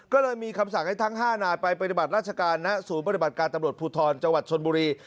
ก็เลยมีคำสั่งให้ทั้ง๕นายไปปฏิบัติราชการณศูนย์ปฏิบัติการตำรวจภูทรจังหวัดชนบุรี